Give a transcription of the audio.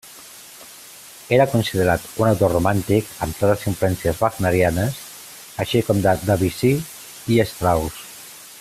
És considerat un autor romàntic, amb clares influències wagnerianes, així com de Debussy i Strauss.